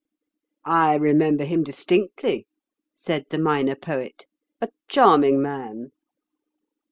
"I remember him distinctly," said the Minor Poet. "A charming man."